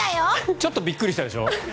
ちょっとびっくりしたでしょ？